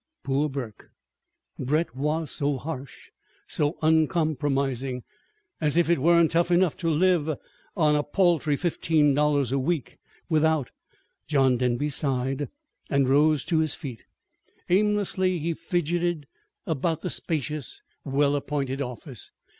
Poor Burke! Brett was so harsh, so uncompromising. As if it weren't tough enough to have to live on a paltry fifteen dollars a week, without John Denby sighed and rose to his feet. Aimlessly he fidgeted about the spacious, well appointed office.